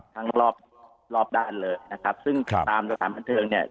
รอบรอบด้านเลยนะครับซึ่งตามสถานบันเทิงเนี่ย